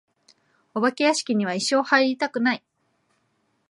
お化け屋敷には一生入りたくない。